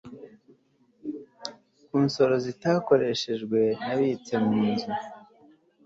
ku nsoro zitakoreshejwe zabitswe munzu